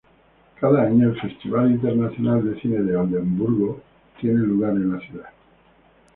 Cada año, el Festival Internacional de Cine de Oldemburgo tiene lugar en la ciudad.